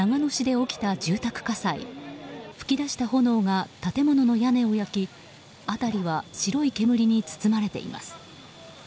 噴き出した炎が建物の屋根を焼き辺りは白い煙に包まれています。